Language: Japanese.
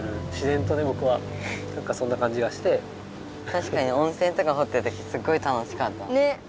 たしかに温泉とかほってるときすごい楽しかった。ね！